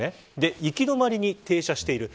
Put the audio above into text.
行き止まりに停車している。